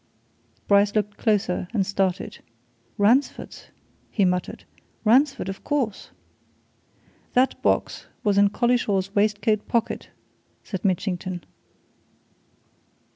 Bryce looked closer, and started. "Ransford's!" he muttered. "Ransford of course!" "That box was in Collishaw's waistcoat pocket," said Mitchington.